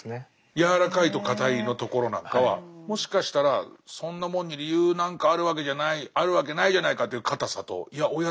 「やわらかいと硬い」のところなんかはもしかしたらそんなもんに理由なんかあるわけじゃないあるわけないじゃないかっていう硬さといやおや？